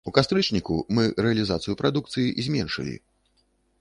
У кастрычніку мы рэалізацыю прадукцыі зменшылі.